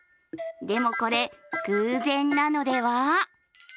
でもこれ、偶然なのでは？